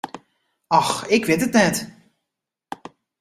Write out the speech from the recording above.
Och, ik wit it net.